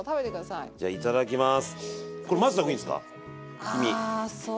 いやいただきます。